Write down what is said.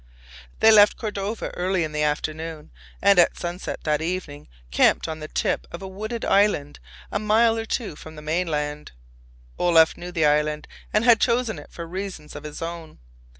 They left Cordova early in the afternoon, and at sunset that evening camped on the tip of a wooded island a mile or two from the mainland. Olaf knew the island and had chosen it for reasons of his own.